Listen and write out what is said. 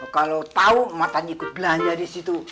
kalo tau matanya ikut belanja disitu